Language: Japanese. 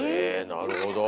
なるほど。